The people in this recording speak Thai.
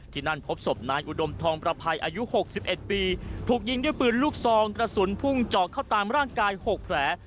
ที่นั่นพบศพนายอุดมทองประภัยอายุ๖๑ปีถูกยิงด้วยปืนลูกซองกระสุนพุ่งเจาะเข้าตามร่างกาย๖แผล